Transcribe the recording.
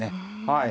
はい。